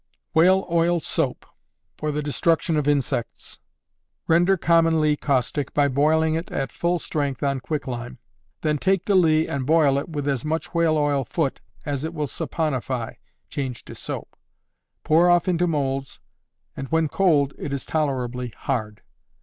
Whale Oil Soap (for the destruction of Insects.) Render common ley caustic, by boiling it at full strength on quicklime; then take the ley and boil it with as much whale oil foot as it will saponify (change to soap), pour off into molds, and, when cold, it is tolerably hard.